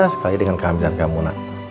saya dengan kehamilan kamu nak